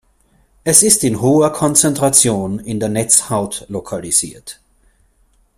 Es ist in hoher Konzentration in der Netzhaut lokalisiert.